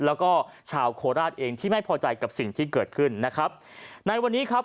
แล้วก็ชาวโคราชเองที่ไม่พอใจกับสิ่งที่เกิดขึ้นนะครับในวันนี้ครับ